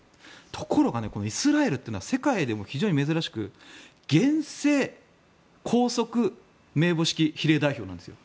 ところがイスラエルというのは世界でも非常に珍しく厳正拘束名簿式比例代表なんです。